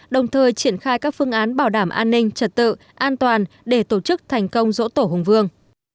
đồng thời triển khai các phương án bảo đảm an ninh trật tự an toàn để tổ chức thành công dỗ tổ hùng vương